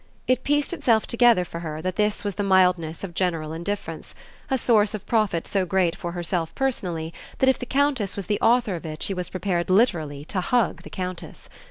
It pieced itself together for her that this was the mildness of general indifference, a source of profit so great for herself personally that if the Countess was the author of it she was prepared literally to hug the Countess.